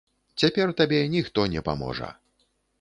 - Цяпер табе ніхто не паможа